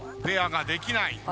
ペアができない。